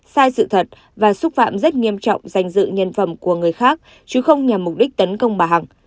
sai sự thật và xúc phạm rất nghiêm trọng danh dự nhân phẩm của người khác chứ không nhằm mục đích tấn công bà hằng